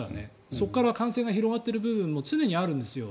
そこから感染が広がっている部分も常にあるんですよ